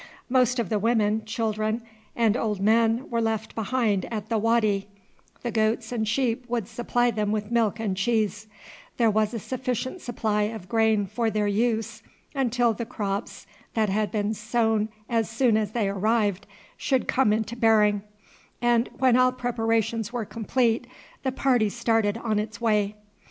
Most of the women, children, and old men were left behind at the wady; the goats and sheep would supply them with milk and cheese; there was a sufficient supply of grain for their use until the crops that had been sown as soon as they arrived should come into bearing; and when all preparations were complete the party started on its way.